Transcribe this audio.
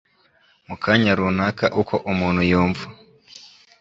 mu kanya runaka Uko umuntu yumva